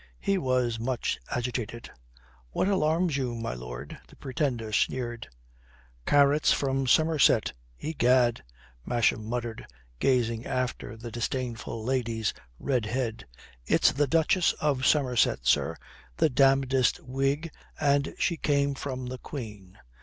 He was much agitated. "What alarms you, my lord?" The Pretender sneered. "Carrots from Somerset, egad," Masham muttered, gazing after the disdainful lady's red head. "It's the Duchess of Somerset, sir, the damnedest Whig, and she came from the Queen.